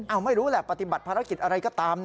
ไม่รู้แหละปฏิบัติภารกิจอะไรก็ตาม